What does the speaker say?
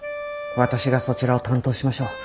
私がそちらを担当しましょう。